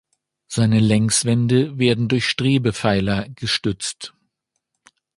Seine Längswände werden durch Strebepfeiler gestützt.